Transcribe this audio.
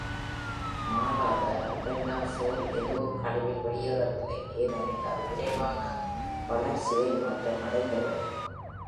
மாறாத albendazole எதுவும் கழிவில் வெளியேறவில்லை, ஏனெனில் அது விரைவாக வள்ர்சிதைமாற்றம் அடைந்து விடும்.